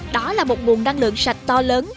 đó là một nguồn năng lượng sạch to lớn